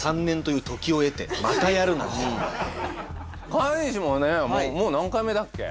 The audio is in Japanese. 川西もねもう何回目だっけ？